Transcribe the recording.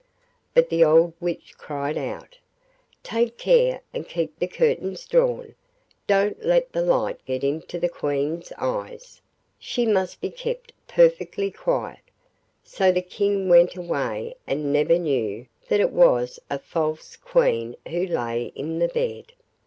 But the old witch cried out, 'Take care and keep the curtains drawn; don't let the light get into the Queen's eyes; she must be kept perfectly quiet.' So the King went away and never knew that it was a false Queen who lay in the bed.